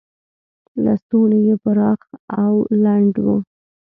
لستوڼي یې پراخ او لنډ و.